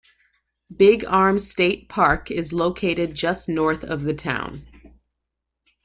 Big Arm State Park is located just north of the town.